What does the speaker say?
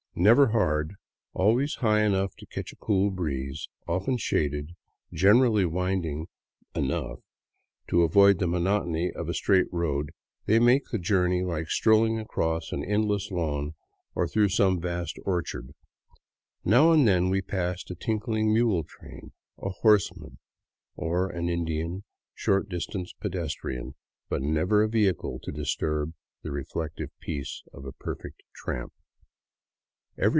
Never hard, always high enough to catch a cool breeze, often shaded, gener ally winding enough to avoid the monotony of a straight road, they make the journey like strolling across an endless lawn or through some vast orchard. Now and then we passed a tinkling mule train, a horseman, or an Indian short distance pedestrian, but never a vehicle to disturb the reflective peace of a perfect tramp.